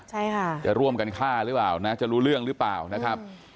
ใช่ค่ะจะร่วมกันฆ่าหรือเปล่านะจะรู้เรื่องหรือเปล่านะครับ